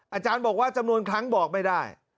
อาจารย์บอกว่าจำนวนครั้งบอกไม่ได้